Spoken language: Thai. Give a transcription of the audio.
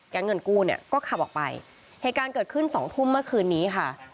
เงินกู้เนี่ยก็ขับออกไปเหตุการณ์เกิดขึ้นสองทุ่มเมื่อคืนนี้ค่ะ